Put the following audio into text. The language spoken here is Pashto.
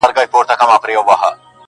• زه شاعر سړی یم بې الفاظو نور څه نلرم..